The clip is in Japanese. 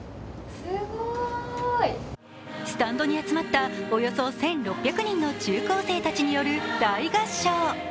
スタンドに集まったおよそ１６００人の中高生たちによる大合唱。